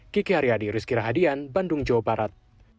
kiki haryadi rizky rahadian bandung jawa barat